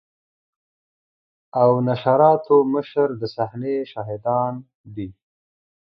او نشراتو مشر د صحنې شاهدان دي.